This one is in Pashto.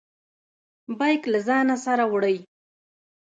بیګ له ځانه سره وړئ؟